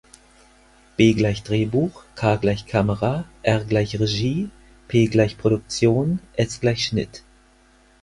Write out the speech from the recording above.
B=Drehbuch, K=Kamera, R=Regie, P=Produktion, S=Schnitt